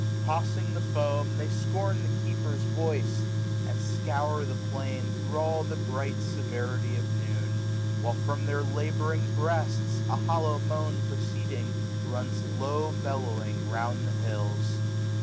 Tossing the foam. They scorn the keeper's voice, and scour the plain. Thro' all the bright severity of noon ; While, from their labouring breasts, a hollow moan Proceeding, runs low^bellowing round the hills.